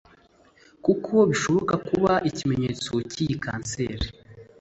kuko bishobora kuba ikimenyetso cy'iyi kanseri.